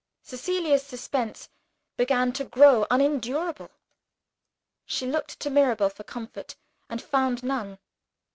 Cecilia's suspense began to grow unendurable: she looked to Mirabel for comfort, and found none.